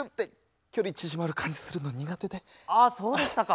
あそうでしたか。